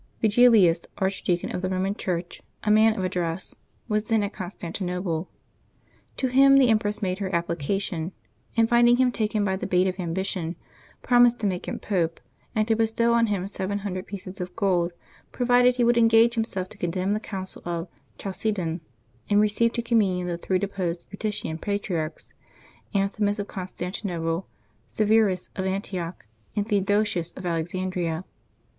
Vigilius, archdeacon of the Roman Church, a man of address, was then at Con stantinople. To him the empress made her application, and finding him taken by the bait of ambition, promised to make him Pope, and to bestow on him seven hundred pieces of gold, provided he would engage himself to con demn the Council of Chalcedon and receive to Communion the three deposed Eutjchian patriarchs, Anthimus of Con stantinople, Severus of Antioch, and Theodosius of Alexan dria.